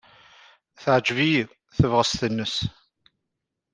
Teɛjeb-iyi tebɣest-nnes.